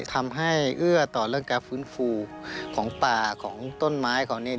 ทำให้เอื้อต่อเรื่องการฟื้นฟูของป่าของต้นไม้ของนี่